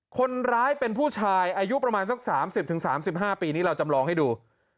คนร้ายเป็นผู้ชายอายุประมาณสัก๓๐๓๕ปีนี้เราจำลองให้ดู